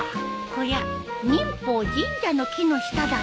こりゃ忍法神社の木の下だね。